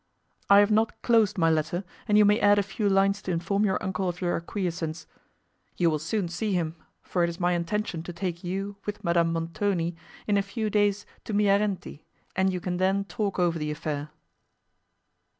I have not closed my letter, and you may add a few lines to inform your uncle of your acquiescence. You will soon see him, for it is my intention to take you, with Madame Montoni, in a few days to Miarenti, and you can then talk over the affair."